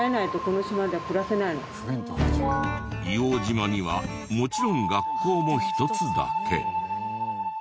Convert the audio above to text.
硫黄島にはもちろん学校も１つだけ。